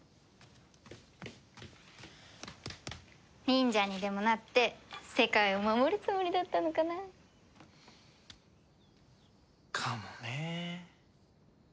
忍者にでもなって世界を守るつもりだったのかな？かもねえ。